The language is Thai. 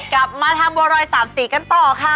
กลับมาทำบัวรอยสามสีกันต่อค่ะ